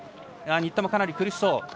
新田もかなり苦しそう。